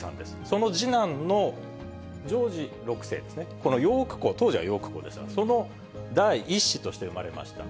その次男のジョージ６世ですね、このヨーク公、当時はヨーク公でした、その第１子として生まれました。